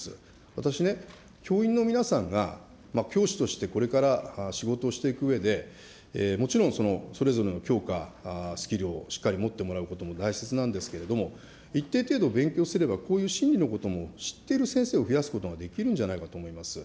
私ね、教員の皆さんが教師としてこれから仕事をしていくうえで、もちろんそのそれぞれのきょうか、スキルをしっかり持ってもらうことも大切なんですけれども、一定的勉強すればこういう心理のことも知っている先生も増やすことができるんじゃないかと思います。